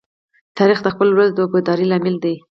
تاریخ د خپل ولس د وفادارۍ لامل دی.